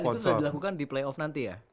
dan itu sudah dilakukan di playoff nanti ya